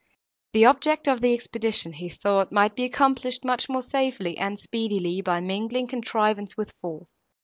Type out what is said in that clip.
The object of the expedition, he thought, might be accomplished much more safely and speedily by mingling contrivance with force.